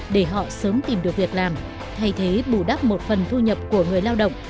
để họ sớm tìm được việc làm thay thế bù đắp một phần thu nhập của người lao động